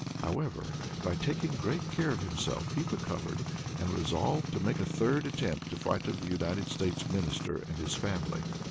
However, by taking great care of himself, he recovered, and resolved to make a third attempt to frighten the United States Minister and his family.